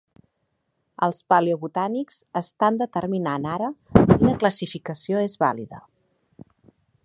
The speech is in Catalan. Els paleobotànics estan determinant ara quina classificació és vàlida.